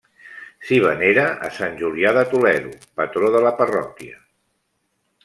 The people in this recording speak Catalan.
S'hi venera a sant Julià de Toledo, patró de la parròquia.